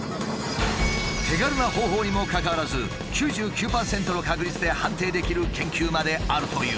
手軽な方法にもかかわらず９９％の確率で判定できる研究まであるという。